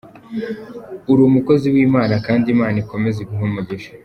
Uri umukozi w’Imana kandi Imana ikomeze iguhe umugisha”.